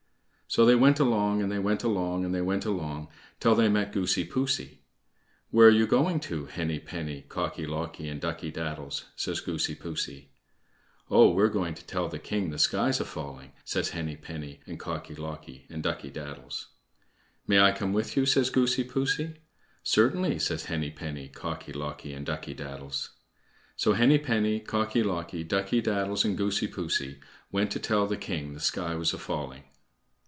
So they went along, and they went along, and they went along till they met Goosey poosey. "Where are you going to, Henny penny, Cocky locky, and Ducky daddles?" says Goosey poosey. "Oh! we're going to tell the king the sky's a falling," says Henny penny and Cocky locky and Ducky daddles. "May I come with you?" says Goosey poosey. "Certainly," says Henny penny, Cocky locky, and Ducky daddles. So Henny penny, Cocky locky, Ducky daddles, and Goosey poosey went to tell the king the sky was a falling.